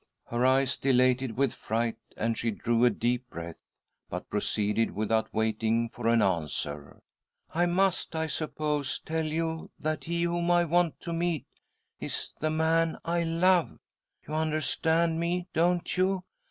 " Her eyes dilated with fright, and she drew a deep breath, but proceeded without waiting' for an answer. " I must, I suppose, tell you that he whom I want to meet is the man I love. You understand me, don't you?